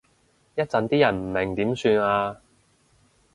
一陣啲人唔明點算啊？